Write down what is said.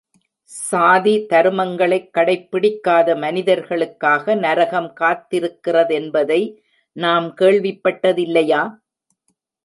சாதி தருமங்களைக் கடைப்பிடிக்காத மனிதர்களுக்காக நரகம் காத்திருக்கிறதென்பதை நாம் கேள்விப்பட்டதில்லையா?